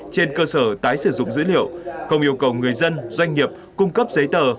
trên cơ sở tái sử dụng dữ liệu không yêu cầu người dân doanh nghiệp cung cấp giấy tờ